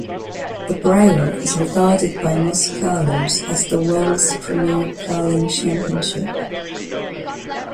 The Brier is regarded by most curlers as the world's premier curling championship.